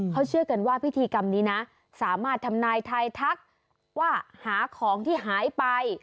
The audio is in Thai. เขาเชื่อกันว่าพิธีกรรมนี้นะสามารถทำนายทายทักว่าหาของที่หายไป